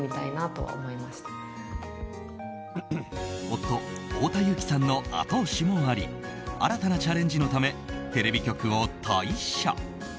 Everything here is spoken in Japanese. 夫・太田雄貴さんの後押しもあり新たなチャレンジのためテレビ局を退社。